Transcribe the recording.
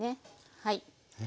はい。